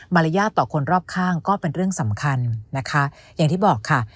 รยาทต่อคนรอบข้างก็เป็นเรื่องสำคัญนะคะอย่างที่บอกค่ะ